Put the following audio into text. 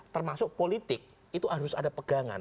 termasuk politik itu harus ada pegangan